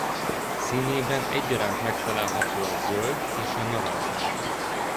Színében egyaránt megtalálható a zöld és a narancssárga.